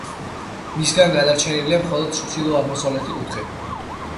მისგან გადარჩენილია მხოლოდ ჩრდილო-აღმოსავლეთი კუთხე.